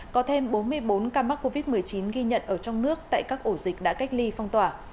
có thêm bốn mươi bốn ca mắc covid một mươi chín ghi nhận ở trong nước tại các ổ dịch đã cách ly phong tỏa